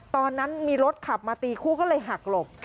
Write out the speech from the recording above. ตอนนั้นมีรถขับมาตีคู่ก็เลยหักหลบ